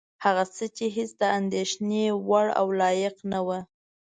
هغه څه چې هېڅ د اندېښنې وړ او لایق نه وه.